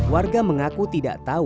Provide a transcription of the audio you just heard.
warga mengaku tidak tahu